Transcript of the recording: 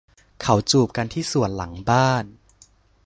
เขาจูบกับที่สวนหลังบ้าน